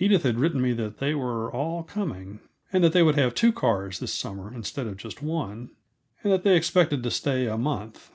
Edith had written me that they were all coming, and that they would have two cars, this summer, instead of just one, and that they expected to stay a month.